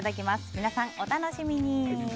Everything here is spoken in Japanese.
皆さん、お楽しみに！